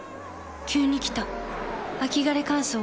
急に来た秋枯れ乾燥。